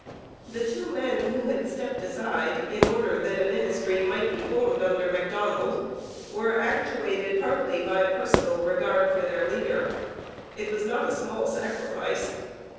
The two men who had stepped aside in order that a ministry might be formed under Macdonald were actuated partly by personal regard for their leader. It was not a small sacrifice.